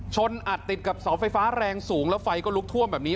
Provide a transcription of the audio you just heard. อัดติดกับเสาไฟฟ้าแรงสูงแล้วไฟก็ลุกท่วมแบบนี้